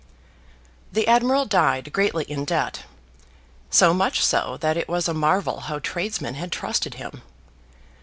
The admiral died greatly in debt; so much so that it was a marvel how tradesmen had trusted him.